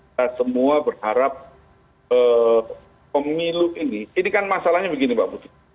kita semua berharap pemilu ini ini kan masalahnya begini mbak putri